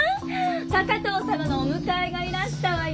高藤様のお迎えがいらしたわよ！